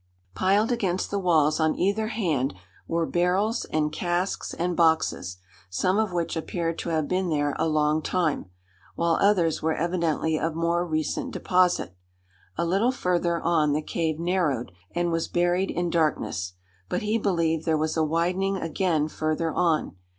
Piled against the walls on either hand were barrels and casks and boxes, some of which appeared to have been there a long time, while others were evidently of more recent deposit. A little further on the cave narrowed, and was buried in darkness, but he believed there was a widening again further on.